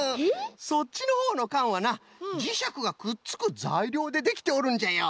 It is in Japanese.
そっちのほうのかんはなじしゃくがくっつくざいりょうでできておるんじゃよ。